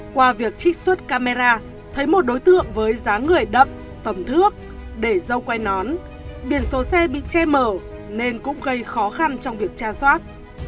qua việc trích xuất camera thấy một đối tượng với giá người đậm tầm thước để dâu quay nón biển số xe bị che mở nên cũng gây khó khăn trong việc tra soát